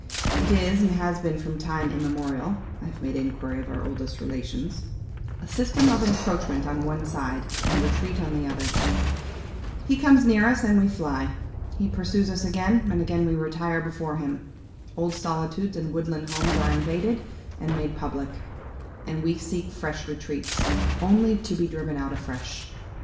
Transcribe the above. It is, and has been from time immemorial (I have made inquiry of our oldest relations), a system of encroachment on one side, and retreat on the other. He comes near us and we fly; he pursues us again, and again we retire before him. Old solitudes and woodland homes are invaded, and made public; and we seek fresh retreats, only to be driven out afresh.